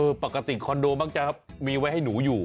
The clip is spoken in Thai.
ปกติคอนโดมักจะมีไว้ให้หนูอยู่